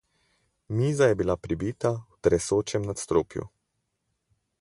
Miza je bila pribita v tresočem nadstropju.